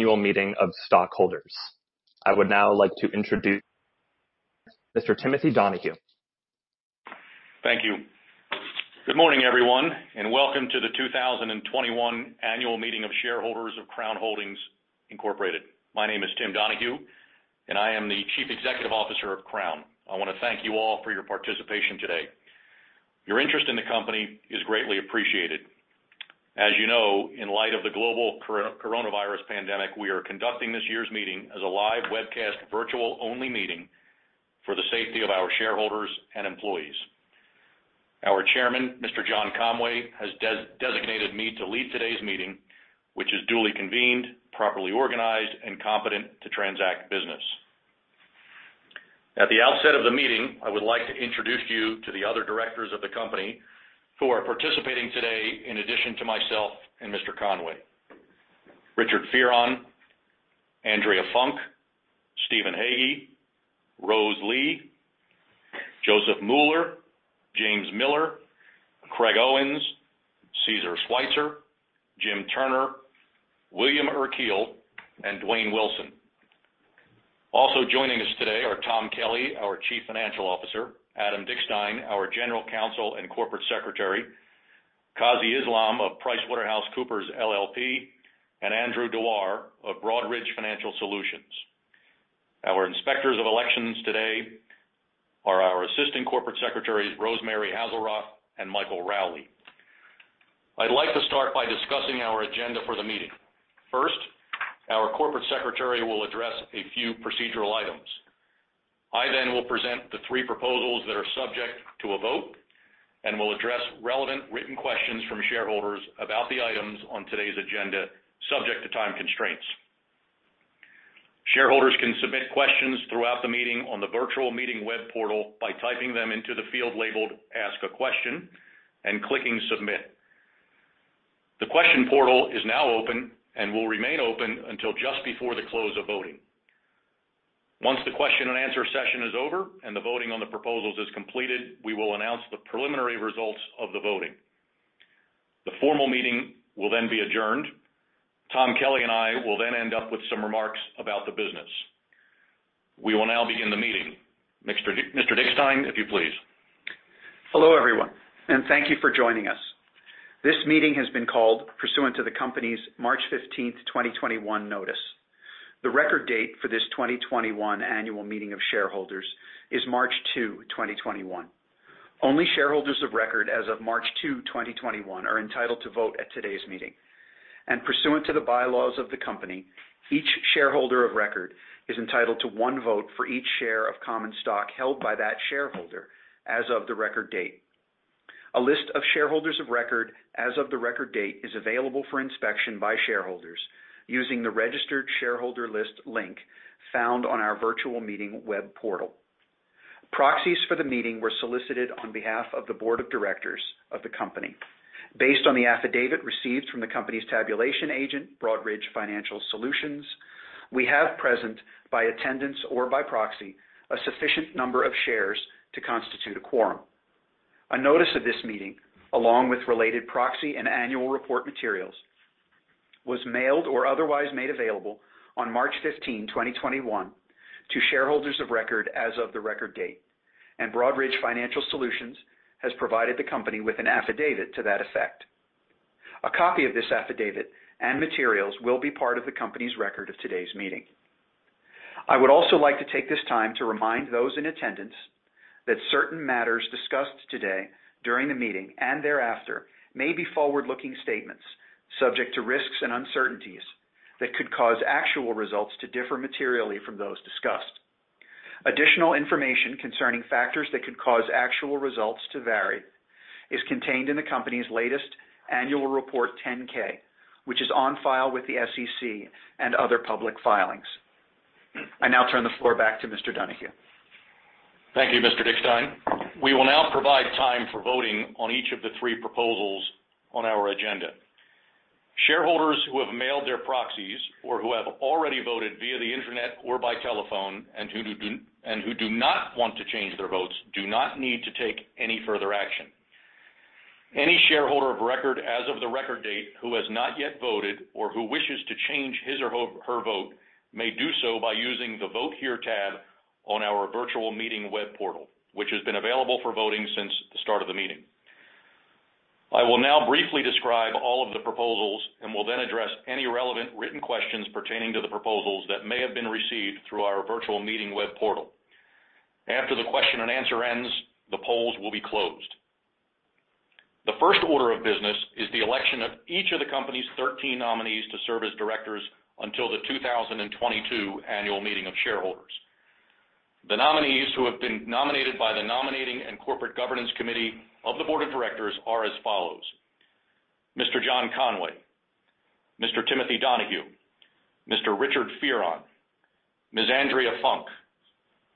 Annual meeting of stockholders. I would now like to introduce Mr. Timothy Donahue. Thank you. Good morning, everyone, and welcome to the 2021 annual meeting of shareholders of Crown Holdings, Inc. My name is Timothy Donahue, and I am the Chief Executive Officer of Crown. I want to thank you all for your participation today. Your interest in the company is greatly appreciated. As you know, in light of the global coronavirus pandemic, we are conducting this year's meeting as a live webcast, virtual-only meeting for the safety of our shareholders and employees. Our Chairman, Mr. John Conway, has designated me to lead today's meeting, which is duly convened, properly organized, and competent to transact business. At the outset of the meeting, I would like to introduce you to the other directors of the company who are participating today in addition to myself and Mr. Conway. Richard Fearon, Andrea Funk, Stephen Hagge, Rose Lee, Josef Mueller, James Miller, Craig Owens, Caesar Sweitzer, Jim Turner, William Urkiel, and Dwayne Wilson. Also joining us today are Thomas Kelly, our Chief Financial Officer, Adam Dickstein, our General Counsel and Corporate Secretary, Kazi Islam of PricewaterhouseCoopers LLP, and Andrew Dewar of Broadridge Financial Solutions. Our inspectors of elections today are our assistant corporate secretaries, Rosemary Haselroth and Michael Rowley. I'd like to start by discussing our agenda for the meeting. First, our Corporate Secretary will address a few procedural items. I then will present the three proposals that are subject to a vote and will address relevant written questions from shareholders about the items on today's agenda, subject to time constraints. Shareholders can submit questions throughout the meeting on the virtual meeting web portal by typing them into the field labeled Ask a Question and clicking Submit. The question portal is now open and will remain open until just before the close of voting. Once the question and answer session is over and the voting on the proposals is completed, we will announce the preliminary results of the voting. The formal meeting will then be adjourned. Tom Kelly and I will then end up with some remarks about the business. We will now begin the meeting. Mr. Dickstein, if you please. Hello, everyone, and thank you for joining us. This meeting has been called pursuant to the company's March 15th, 2021 notice. The record date for this 2021 annual meeting of shareholders is March 2, 2021. Only shareholders of record as of March 2, 2021, are entitled to vote at today's meeting. Pursuant to the bylaws of the company, each shareholder of record is entitled to one vote for each share of common stock held by that shareholder as of the record date. A list of shareholders of record as of the record date is available for inspection by shareholders using the registered shareholder list link found on our virtual meeting web portal. Proxies for the meeting were solicited on behalf of the board of directors of the company. Based on the affidavit received from the company's tabulation agent, Broadridge Financial Solutions, we have present by attendance or by proxy, a sufficient number of shares to constitute a quorum. A notice of this meeting, along with related proxy and annual report materials, was mailed or otherwise made available on March 15, 2021, to shareholders of record as of the record date, and Broadridge Financial Solutions has provided the company with an affidavit to that effect. A copy of this affidavit and materials will be part of the company's record of today's meeting. I would also like to take this time to remind those in attendance that certain matters discussed today during the meeting and thereafter may be forward-looking statements subject to risks and uncertainties that could cause actual results to differ materially from those discussed. Additional information concerning factors that could cause actual results to vary is contained in the company's latest annual Report 10-K, which is on file with the SEC and other public filings. I now turn the floor back to Mr. Donahue. Thank you, Mr. Dickstein. We will now provide time for voting on each of the three proposals on our agenda. Shareholders who have mailed their proxies or who have already voted via the internet or by telephone and who do not want to change their votes do not need to take any further action. Any shareholder of record as of the record date who has not yet voted or who wishes to change his or her vote may do so by using the Vote Here tab on our virtual meeting web portal, which has been available for voting since the start of the meeting. I will now briefly describe all of the proposals and will then address any relevant written questions pertaining to the proposals that may have been received through our virtual meeting web portal. After the question and answer ends, the polls will be closed. The first order of business is the election of each of the company's 13 nominees to serve as directors until the 2022 annual meeting of shareholders. The nominees who have been nominated by the Nominating and Corporate Governance Committee of the Board of Directors are as follows: Mr. John Conway, Mr. Timothy Donahue, Mr. Richard Fearon, Ms. Andrea Funk,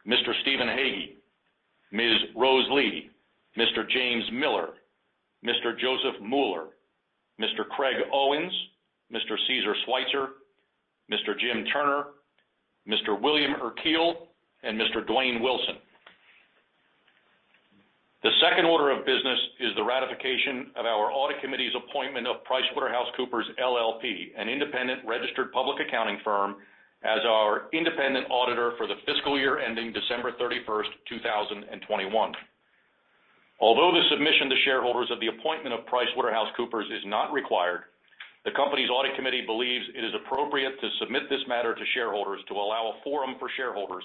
Mr. Stephen Hagge, Ms. Rose Lee, Mr. James Miller, Mr. Josef Mueller, Mr. Craig Owens, Mr. Caesar Sweitzer, Mr. Jim Turner, Mr. William Urkiel, and Mr. Dwayne Wilson. The second order of business is the ratification of our audit committee's appointment of PricewaterhouseCoopers LLP, an independent registered public accounting firm, as our independent auditor for the fiscal year ending December 31st, 2021. Although the submission to shareholders of the appointment of PricewaterhouseCoopers is not required, the company's audit committee believes it is appropriate to submit this matter to shareholders to allow a forum for shareholders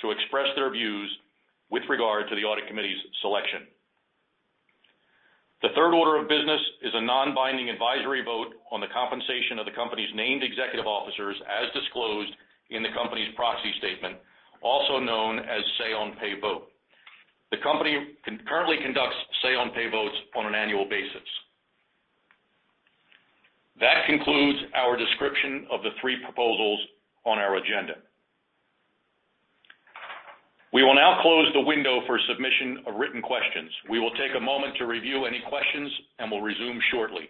to express their views with regard to the audit committee's selection. The third order of business is a non-binding advisory vote on the compensation of the company's named executive officers as disclosed in the company's proxy statement, also known as say on pay vote. The company currently conducts say on pay votes on an annual basis. That concludes our description of the three proposals on our agenda. We will now close the window for submission of written questions. We will take a moment to review any questions, and we'll resume shortly.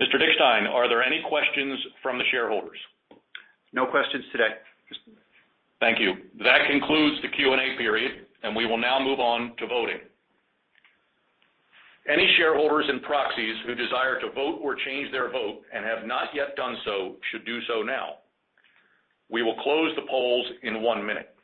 Mr. Dickstein, are there any questions from the shareholders? No questions today. Thank you. That concludes the Q&A period, and we will now move on to voting. Any shareholders and proxies who desire to vote or change their vote and have not yet done so should do so now. We will close the polls in one minute.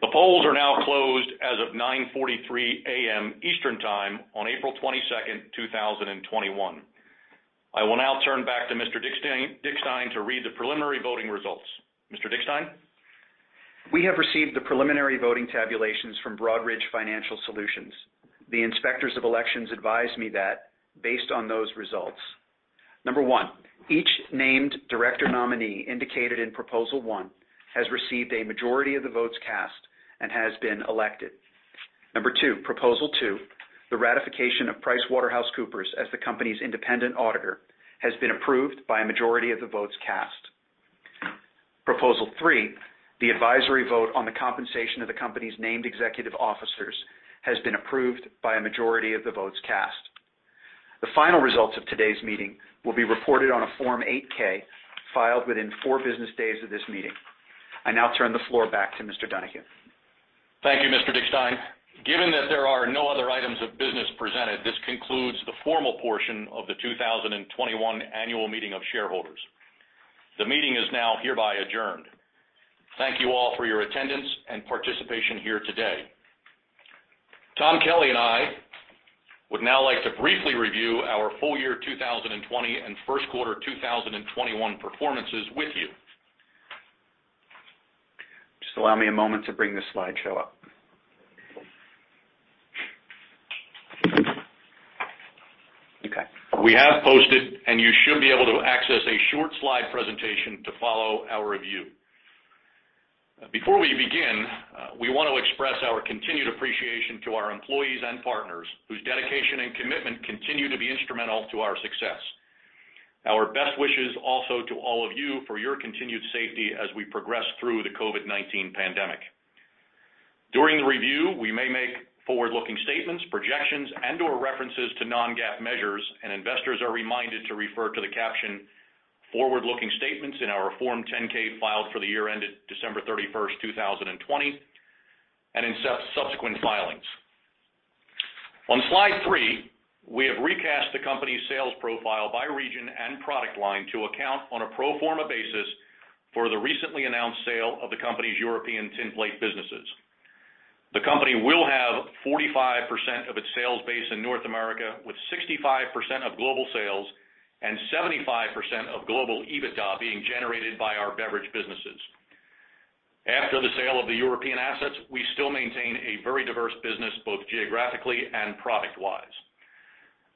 Okay. The polls are now closed as of 9:43 A.M. Eastern Time on April 22nd, 2021. I will now turn back to Mr. Dickstein to read the preliminary voting results. Mr. Dickstein? We have received the preliminary voting tabulations from Broadridge Financial Solutions. The Inspectors of Elections advise me that based on those results, number one, each named director nominee indicated in proposal one has received a majority of the votes cast and has been elected. Number two, proposal two, the ratification of PricewaterhouseCoopers as the company's independent auditor has been approved by a majority of the votes cast. Proposal three, the advisory vote on the compensation of the company's named executive officers has been approved by a majority of the votes cast. The final results of today's meeting will be reported on a Form 8-K filed within four business days of this meeting. I now turn the floor back to Mr. Donahue. Thank you, Mr. Dickstein. Given that there are no other items of business presented, this concludes the formal portion of the 2021 Annual Meeting of Shareholders. The meeting is now hereby adjourned. Thank you all for your attendance and participation here today. Tom Kelly and I would now like to briefly review our full year 2020 and first quarter 2021 performances with you. Just allow me a moment to bring the slideshow up. Okay. We have posted, and you should be able to access a short slide presentation to follow our review. Before we begin, we want to express our continued appreciation to our employees and partners whose dedication and commitment continue to be instrumental to our success. Our best wishes also to all of you for your continued safety as we progress through the COVID-19 pandemic. During the review, we may make forward-looking statements, projections, and/or references to non-GAAP measures, and investors are reminded to refer to the caption "forward-looking statements" in our Form 10-K filed for the year ended December 31st, 2020, and in subsequent filings. On slide three, we have recast the company's sales profile by region and product line to account on a pro forma basis for the recently announced sale of the company's European Tinplate businesses. The company will have 45% of its sales base in North America, with 65% of global sales and 75% of global EBITDA being generated by our Beverage businesses. After the sale of the European Tinplate business, we still maintain a very diverse business, both geographically and product-wise.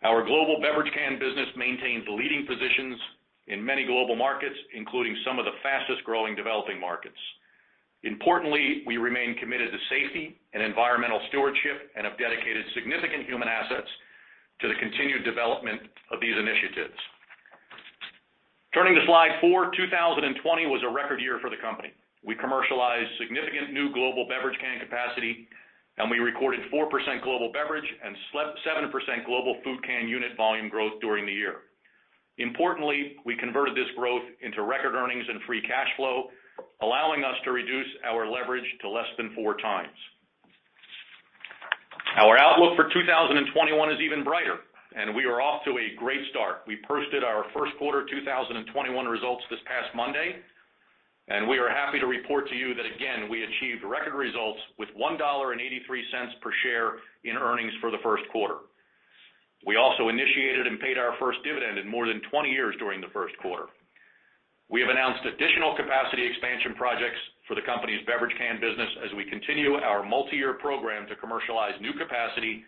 Our global beverage can business maintains leading positions in many global markets, including some of the fastest-growing developing markets. Importantly, we remain committed to safety and environmental stewardship and have dedicated significant human assets to the continued development of these initiatives. Turning to slide four, 2020 was a record year for the company. We commercialized significant new global beverage can capacity, and we recorded 4% global beverage and 7% global food can unit volume growth during the year. Importantly, we converted this growth into record earnings and free cash flow, allowing us to reduce our leverage to less than 4x. Our outlook for 2021 is even brighter, and we are off to a great start. We posted our first quarter 2021 results this past Monday. We are happy to report to you that, again, we achieved record results with $1.83 per share in earnings for the first quarter. We also initiated and paid our first dividend in more than 20 years during the first quarter. We have announced additional capacity expansion projects for the company's beverage can business as we continue our multi-year program to commercialize new capacity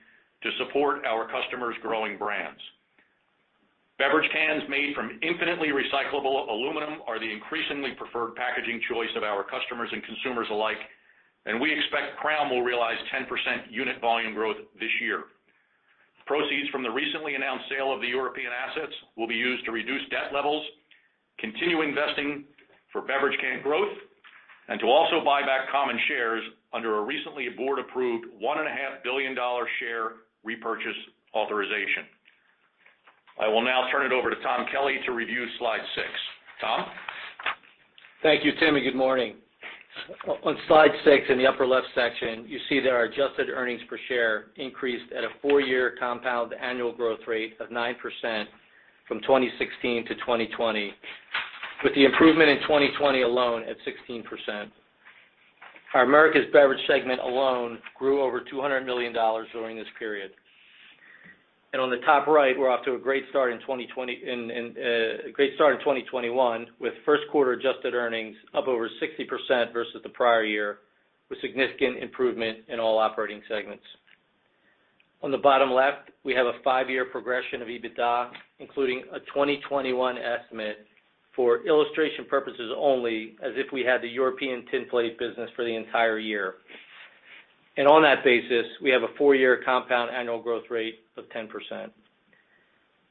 to support our customers' growing brands. Beverage cans made from infinitely recyclable aluminum are the increasingly preferred packaging choice of our customers and consumers alike, and we expect Crown will realize 10% unit volume growth this year. Proceeds from the recently announced sale of the European assets will be used to reduce debt levels, continue investing for beverage can growth, and to also buy back common shares under a recently board-approved $1.5 billion share repurchase authorization. I will now turn it over to Tom Kelly to review slide six. Tom? Thank you, Tim, and good morning. On slide six in the upper left section, you see that our adjusted earnings per share increased at a four-year compound annual growth rate of 9% from 2016-2020, with the improvement in 2020 alone at 16%. Our Americas Beverage segment alone grew over $200 million during this period. On the top right, we're off to a great start in 2021, with first quarter adjusted earnings up over 60% versus the prior year, with significant improvement in all operating segments. On the bottom left, we have a five-year progression of EBITDA, including a 2021 estimate for illustration purposes only, as if we had the European Tinplate business for the entire year. On that basis, we have a four-year compound annual growth rate of 10%.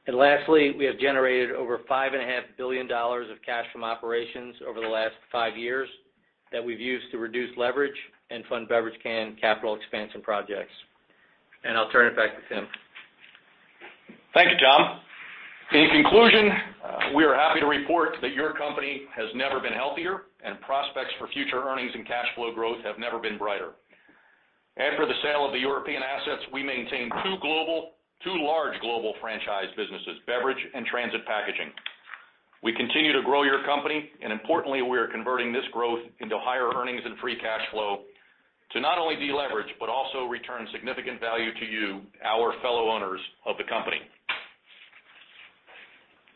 Lastly, we have generated over $5.5 billion of cash from operations over the last five years that we've used to reduce leverage and fund beverage can capital expansion projects. I'll turn it back to Tim. Thank you, Tom. In conclusion, we are happy to report that your company has never been healthier, and prospects for future earnings and cash flow growth have never been brighter. After the sale of the European assets, we maintain two large global franchise businesses, Beverage and Transit Packaging. We continue to grow your company, and importantly, we are converting this growth into higher earnings and free cash flow to not only deleverage, but also return significant value to you, our fellow owners of the company.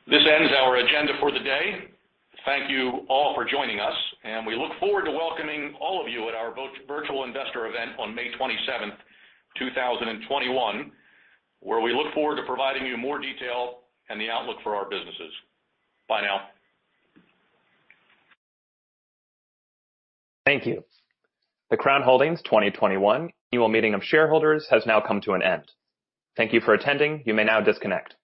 This ends our agenda for the day. Thank you all for joining us, and we look forward to welcoming all of you at our virtual investor event on May 27th, 2021, where we look forward to providing you more detail and the outlook for our businesses. Bye now. Thank you. The Crown Holdings 2021 Annual Meeting of Shareholders has now come to an end. Thank you for attending. You may now disconnect.